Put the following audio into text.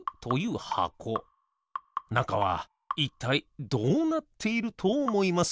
なかはいったいどうなっているとおもいます？